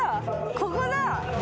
ここだ。